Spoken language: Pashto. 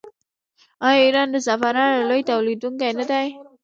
آیا ایران د زعفرانو لوی تولیدونکی نه دی؟